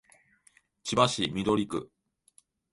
千葉市緑区